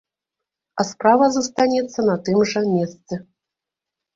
А справа застанецца на тым жа месцы.